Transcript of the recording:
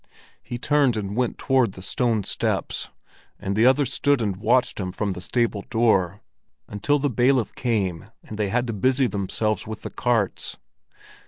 He turned and went toward the stone steps, and the others stood and watched him from the stable door, until the bailiff came and they had to busy themselves with the carts.